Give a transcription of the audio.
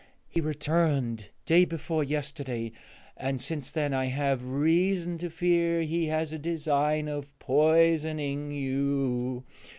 He returned day before yesterday, and since then I have reason to fear he has a design of poisoning you.